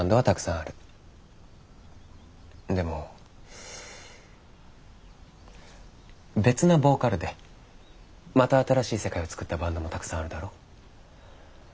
でも別なボーカルでまた新しい世界を作ったバンドもたくさんあるだろ？